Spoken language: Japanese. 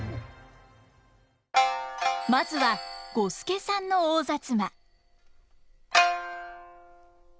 まずは五助さんの「大摩」。